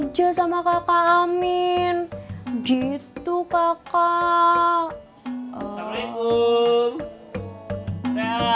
teh kenapa ditutup teh